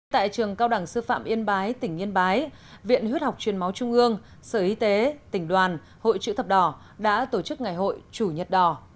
tại trường cao đẳng sư phạm yên bái tỉnh yên bái viện huyết học truyền máu trung ương sở y tế tỉnh đoàn hội chữ thập đỏ đã tổ chức ngày hội chủ nhật đỏ